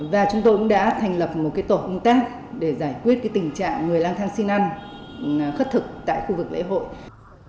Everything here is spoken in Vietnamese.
và chúng tôi cũng đã thành lập một tổ công tác để giải quyết tình trạng người lang thang xin ăn khất thực tại khu vực lễ hội